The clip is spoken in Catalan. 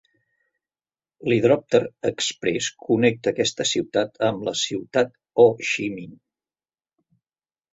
L'hidròpter exprés connecta aquesta ciutat amb la Ciutat Ho Chi Minh.